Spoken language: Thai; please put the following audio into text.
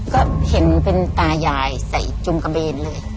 ก็เห็นเป็นตายายใส่จุงกระเบนเลย